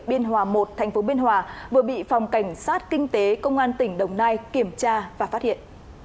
biên hòa một thành phố biên hòa vừa bị phòng cảnh sát kinh tế công an tỉnh đồng nai kiểm tra và phát hiện